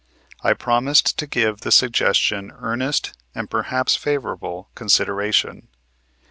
I promised to give the suggestion earnest and perhaps favorable consideration.